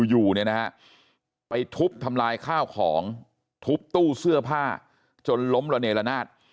อยู่เนี่ยนะฮะไปทุบทำลายข้าวของทุบตู้เสื้อผ้าจนล้มระเนละนาด